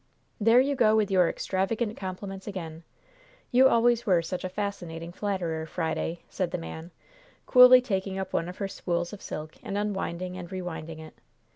"There you go with your extravagant compliments again. You always were such a fascinating flatterer, Friday," said the man, coolly taking up one of her spools of silk and unwinding and rewinding it.